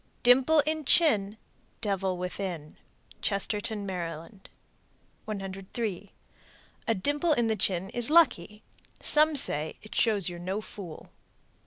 Dimple in chin. Devil within. Chestertown, Md. 103. A dimple in the chin is lucky. Some say "it shows you're no fool."